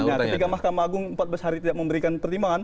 artinya ketika mahkamah agung empat belas hari tidak memberikan pertimbangan